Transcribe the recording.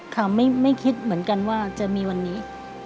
ค่ะไม่คิดเหมือนกันว่าจะมีวันนี้